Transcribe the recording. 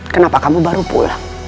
kenapa kamu baru pulang